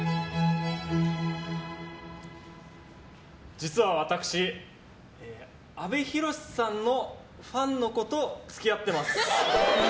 実は私、阿部寛さんのファンの子と付き合っています。